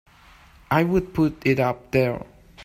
I would put it up there!